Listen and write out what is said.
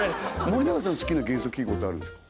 森永さん好きな元素記号ってあるんですか？